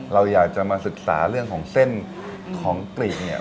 เราอยากจะมาศึกษาเรื่องของเส้นของกลีบเนี่ย